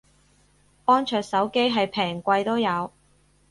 安卓手機係平貴都有